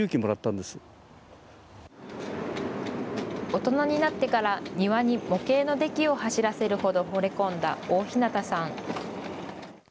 大人になってから庭に模型のデキを走らせるほどほれ込んだ大日方さん。